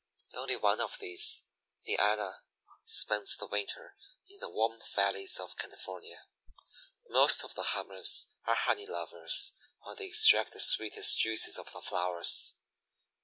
Only one of these, the Anna, spends the winter in the warm valleys of California. Most of the Hummers are honey lovers, and they extract the sweetest juices of the flowers.